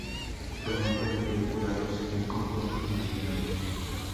Formó parte de jurados en concursos nacionales.